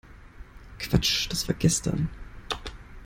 Quatsch, das war gestern!